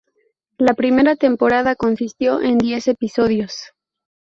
La primera temporada consistió en diez episodios.